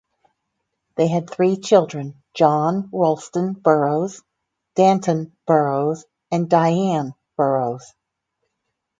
They had three children, John Ralston Burroughs, Danton Burroughs, and Dian Burroughs.